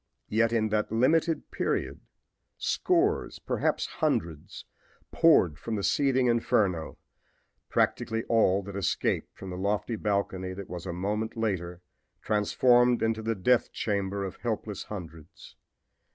Yet in that limited period scores, perhaps hundreds, poured from the seething inferno practically all that escaped from the lofty balcony that was a moment later transformed into the death chamber of helpless hundreds.